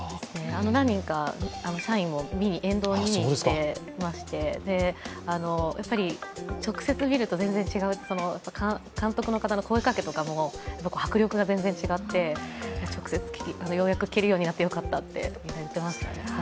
何人か社員も沿道に見に行っていまして、直接見ると全然違う、監督の声かけなんかも迫力が全然違ってようやく聞けるようになってよかったと言っていました。